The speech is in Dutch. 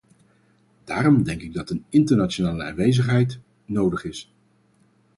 Daarom denk ik dat een internationale aanwezigheid nodig is.